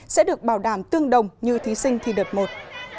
sẽ được bảo đảm tương đồng như thí sinh thi đợt một